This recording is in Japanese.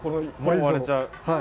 もう割れちゃう。